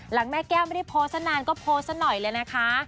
หลังแม่แก้วไม่ได้โพสต์นานก็โพสต์น้อยเลยนะคะ